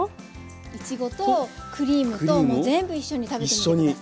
いちごとクリームともう全部一緒に食べてみて下さい。